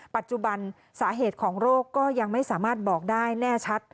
ปัจจุบันสาเหตุของโรคก็ยังไม่สามารถบอกได้แน่ชัด